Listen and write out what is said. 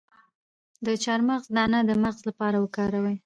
د چارمغز دانه د مغز لپاره وکاروئ